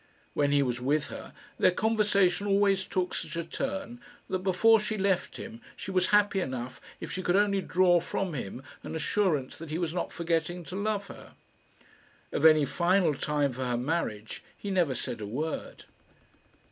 When he was with her, their conversation always took such a turn that before she left him she was happy enough if she could only draw from him an assurance that he was not forgetting to love her. Of any final time for her marriage he never said a word.